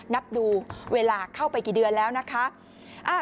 นับดูเวลาเข้าไปกี่เดือนแล้วนะคะ